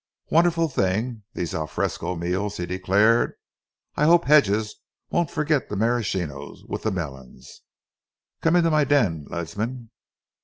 "Wonderful thing, these alfresco meals," he declared. "I hope Hedges won't forget the maraschino with the melons. Come into my den, Ledsam."